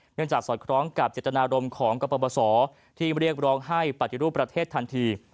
จากสอดคล้องกับเจตนารมณ์ของกรปศที่เรียกร้องให้ปฏิรูปประเทศทันที